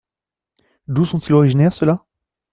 D’où sont-ils originaires ceux-là ?